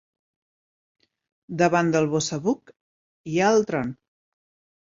Davant del "bossabok" hi ha el tron.